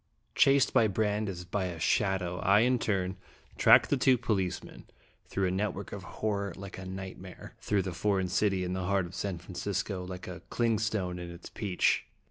ACT II. Chased by Brande as by a shadow, I in turn tracked two policemen, through a net work of horror like a nightmare through the foreign city in the heart of San Francisco, like a clingstone in its peach.